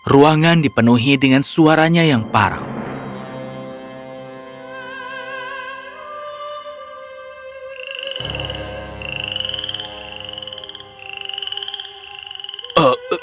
ruangan dipenuhi dengan suaranya yang parah